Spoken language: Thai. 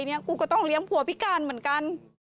กูก็ต้องเลี้ยงผัวพิการเหมือนกัน